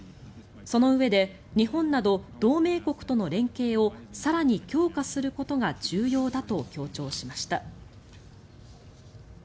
そのうえで日本など同盟国との連携を更に強化することが重要だと強調しました。